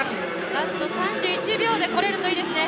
ラスト３１秒でこれるといいですね。